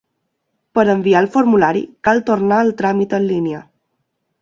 Per enviar el formulari cal tornar al tràmit en línia.